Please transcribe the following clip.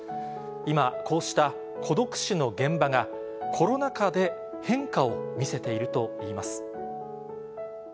今、こうした孤独死の現場が、コロナ禍で変化を見せているといいます。